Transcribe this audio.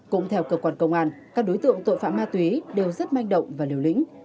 cũng theo cơ quan công an các đối tượng tội phạm ma túy đều rất manh động và liều lĩnh